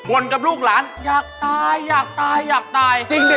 วนกับลูกหลานอยากตายอยากตายอยากตายอยากตายอยากตายจริงดิ